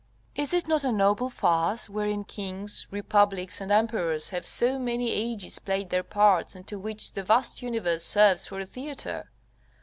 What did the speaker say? Is it not a noble farce wherein kings, republics, and emperors have so many ages played their parts, and to which the vast universe serves for a theatre?